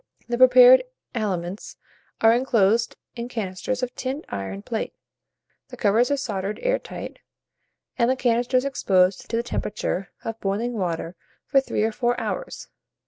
The prepared aliments are inclosed in canisters of tinned iron plate, the covers are soldered air tight, and the canisters exposed to the temperature of boiling water for three or four hours.